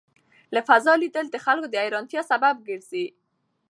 له فضا لیدل د خلکو د حېرانتیا سبب ګرځي.